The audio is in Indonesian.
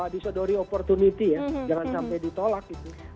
disodori opportunity ya jangan sampai ditolak gitu